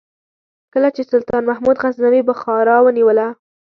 کله چې سلطان محمود غزنوي بخارا ونیوله.